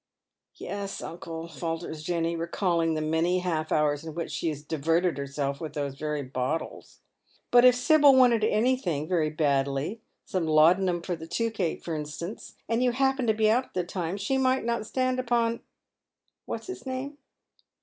" Yes, uncle," falters Jenny, recalling the many half hours in •which she has diverted herself with those very bottles ;" but if Sibyl wanted anytliing very badly, some laudanum for the tooth ache, for instance, and you happened to be out at the time, she might not stand upon — what's its name